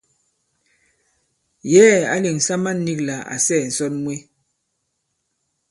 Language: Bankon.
Yɛ̌ɛ̀ ǎ lèŋsa man nīk lā à sɛɛ̀ ǹsɔn mwe.